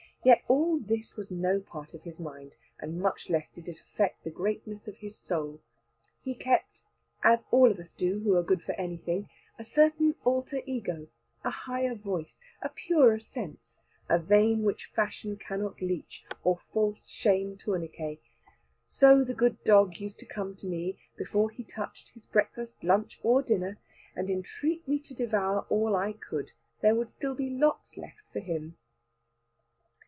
Yet all this was no part of his mind, much less did it affect the greatness of his soul. He kept, as all of us do who are good for anything, a certain alter ego, a higher voice, a purer sense, a vein which fashion cannot leech, or false shame tourniquet. So the good dog used to come to me, before he touched his breakfast, lunch, or dinner, and entreat me to devour all I could, there would be lots still left for him.